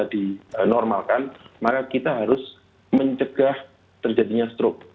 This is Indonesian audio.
kalau tidak bisa dinormalkan maka kita harus mencegah terjadinya strok